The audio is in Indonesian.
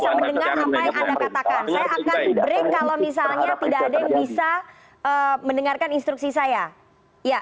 saya akan beri kalau misalnya tidak ada yang bisa mendengarkan instruksi saya